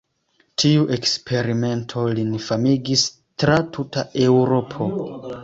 Tiu eksperimento lin famigis tra tuta Eŭropo.